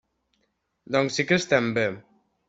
Doncs sí que estem bé!